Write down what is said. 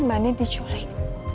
mbak andin diculik